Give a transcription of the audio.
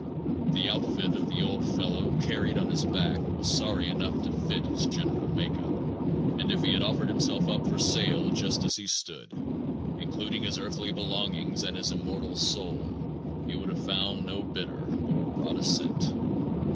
The outfit of the old fellow, carried on his back, was sorry enough to fit his general makeup, and if he had offered himself for sale just as he stood, including his earthly belongings and his immortal soul, he would have found no bidder nor brought a cent.